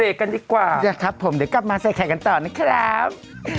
กันดีกว่านะครับผมเดี๋ยวกลับมาใส่ไข่กันต่อนะครับ